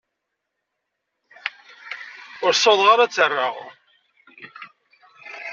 Ur ssawḍeɣ ara ad t-rreɣ.